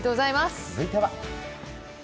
続いては。